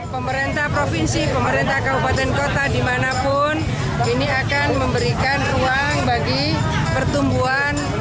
pemerintah provinsi pemerintah kabupaten kota dimanapun ini akan memberikan ruang bagi pertumbuhan